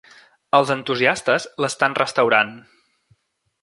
Els entusiastes l'estan restaurant.